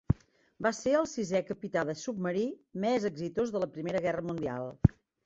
Va ser el sisè capità de submarí més exitós de la primera guerra mundial.